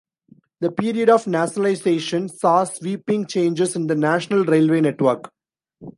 The period of nationalisation saw sweeping changes in the national railway network.